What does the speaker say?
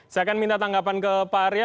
saya akan minta tanggapan ke pak arya